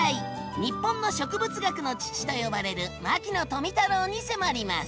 「日本の植物学の父」と呼ばれる牧野富太郎に迫ります！